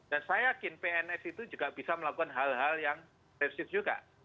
dan saya yakin pns itu juga bisa melakukan hal hal yang resit juga